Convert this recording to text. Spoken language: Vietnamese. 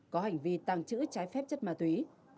có hành vi tàng trữ trái phép chất ma túy